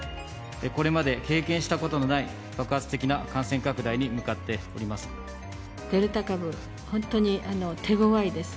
これまで経験したことのない爆発的な感染拡大に向かっております。